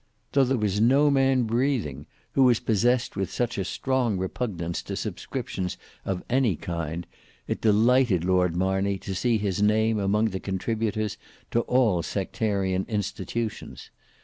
Though there was no man breathing who was possessed with such a strong repugnance to subscriptions of any kind, it delighted Lord Marney to see his name among the contributors to all sectarian institutions.